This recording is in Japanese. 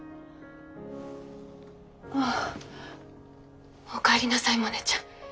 ああおかえりなさいモネちゃん。